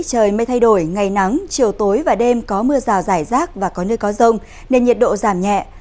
trời mây thay đổi ngày nắng chiều tối và đêm có mưa rào rải rác và có nơi có rông nên nhiệt độ giảm nhẹ